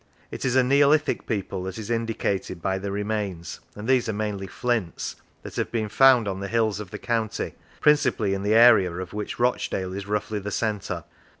It is a Neolithic people that is indicated by the remains and these are mainly flints that have been found on the hills of the county, principally in an area of which Rochdale is roughly the centre.